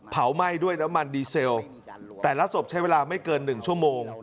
ไหม้ด้วยน้ำมันดีเซลแต่ละศพใช้เวลาไม่เกิน๑ชั่วโมง